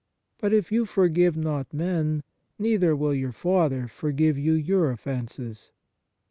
But if you for give not men, neither will your Father forgive you your offences."